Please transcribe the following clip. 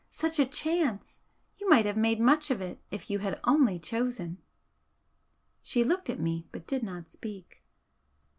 Such a chance! You might have made much of it, if you had only chosen!" She looked at me, but did not speak.